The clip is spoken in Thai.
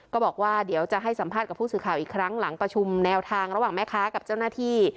ก็บอกว่าเดี๋ยวจะให้สัมภาษณ์กับผู้สื่อข่าวอีกครั้งหลังประชุมแนวทางระหว่างแม่ค้ากับเจ้าหน้าที่